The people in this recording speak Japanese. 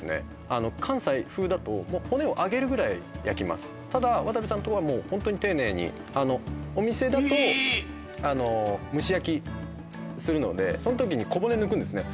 あの関西風だともう骨を揚げるぐらい焼きますただわたべさんのところはもうホントに丁寧にあのお店だとあのいいっ蒸し焼きするのでその時に小骨抜くんですね